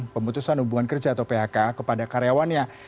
pemutusan hubungan kerja atau phk kepada karyawannya